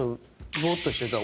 ぼーっとしてたら？